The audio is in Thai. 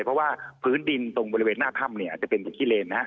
เพราะว่าพื้นดินตรงบริเวณหน้าถ้ำเนี่ยอาจจะเป็นจากขี้เลน